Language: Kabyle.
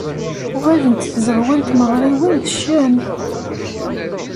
Uɣalent tzeɣwa n tmeɣriwin d ccan.